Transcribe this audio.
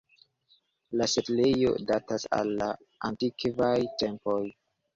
La setlejo datas el la antikvaj tempoj.